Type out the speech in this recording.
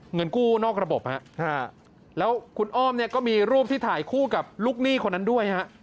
เงินกู้นอกระบบฮะแล้วคุณอ้อมเนี่ยก็มีรูปที่ถ่ายคู่กับลูกหนี้คนนั้นด้วยฮะ